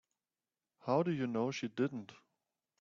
How do you know she didn't?